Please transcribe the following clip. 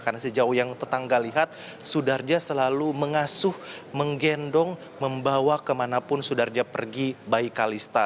karena sejauh yang tetangga lihat sudarja selalu mengasuh menggendong membawa kemanapun sudarja pergi bayi kalista